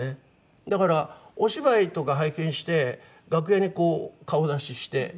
だからお芝居とか拝見して楽屋にこう顔出しして。